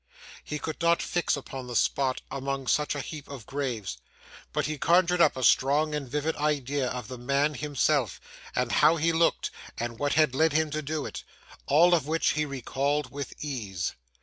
He could not fix upon the spot among such a heap of graves, but he conjured up a strong and vivid idea of the man himself, and how he looked, and what had led him to do it; all of which he recalled with ease.